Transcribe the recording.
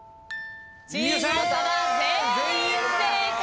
チーム岡田全員正解。